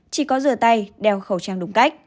chỉ có rửa tay đeo khẩu trang đúng cách